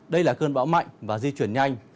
đây là cơn bão mạnh và di chuyển nhanh